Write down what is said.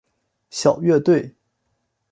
小乐队。